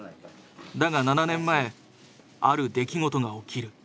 だが７年前ある出来事が起きる。